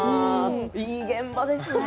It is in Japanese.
いい現場ですね。